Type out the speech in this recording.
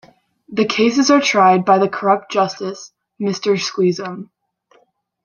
The cases are tried by the corrupt justice, Mr. Squeezum.